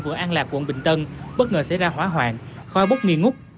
vườn an lạc quận bình tân bất ngờ xảy ra hỏa hoạn khoai bốc nghi ngút